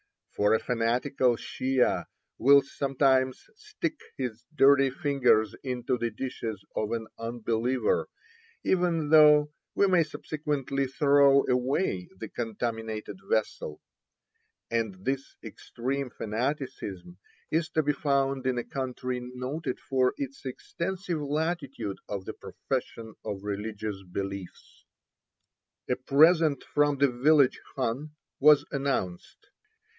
For a fanatical Shiah will sometimes stick his dirty fingers into the dishes of an "unbeliever," even though he may subsequently throw away the 90 Across Asia on a Bicycle PILGRIMS IN THE CARAVANSARY. contaminated vessel. And this extreme fanaticism is to be found in a country noted for its extensive latitude in the profession of religious beliefs. A present from the village khan was announced.